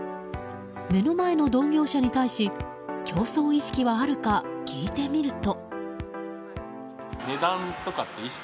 目の前の同業者に対し競争意識はあるか聞いてみると。